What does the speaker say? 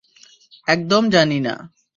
একদম জানি না।